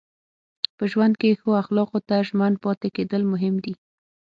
په ژوند کې ښو اخلاقو ته ژمن پاتې کېدل مهم دي.